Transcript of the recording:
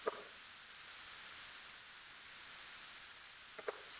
এবার কলকাতার লাট ভবন থেকে মুর্শিদাবাদ জেলা ম্যাজিস্ট্রেটের কাছে চিঠি গেল রুমালের নমুনাসহ।